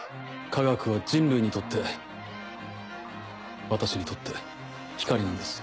科学は人類にとって私にとって光なんです。